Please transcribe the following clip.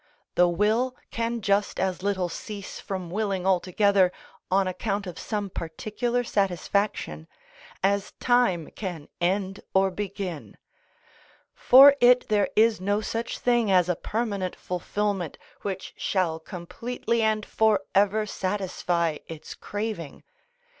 The will can just as little cease from willing altogether on account of some particular satisfaction, as time can end or begin; for it there is no such thing as a permanent fulfilment which shall completely and for ever satisfy its craving.